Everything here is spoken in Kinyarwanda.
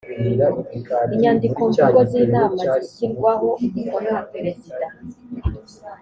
inyandikomvugo z inama zishyirwaho umukono na perezida